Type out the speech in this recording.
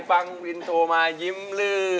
ฟังบิลโทมายิ้มลื่น